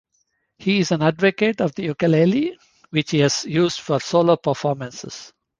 He is an advocate of the ukulele, which he has used for solo performances.